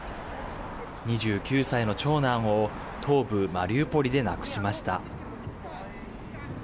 ２９歳の長男を東部マリウポリで亡くしました。